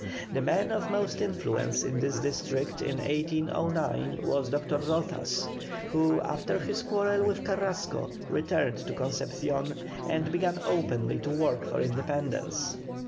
The man of most influence in this district in 1809 was Dr. Rozas, who, after his quarrel with Carrasco, returned to Concepcion and began openly to work for independence.